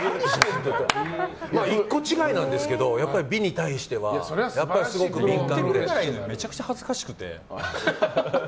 １個違いなんですけど美に対してはめちゃくちゃ恥ずかしくて。